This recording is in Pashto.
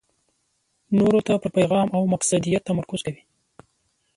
نورو ته پر پېغام او مقصدیت تمرکز کوي.